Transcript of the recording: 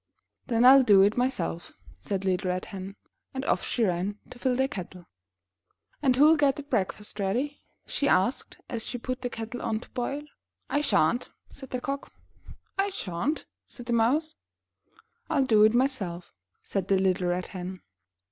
'Then I'll do it myself," said the little Red Hen. And off she ran to fill the kettle. *'And who'll get the breakfast ready?" she asked, as she put the kettle on to boil. "I shan't," said the Cock. "I shan't," said the Mouse. "I'll do it myself," said the little Red Hen.